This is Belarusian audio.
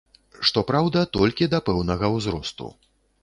Што праўда, толькі да пэўнага ўзросту.